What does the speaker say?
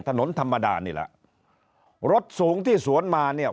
ถนนธรรมดานี่แหละรถสูงที่สวนมาเนี่ย